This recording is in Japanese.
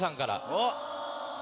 おっ。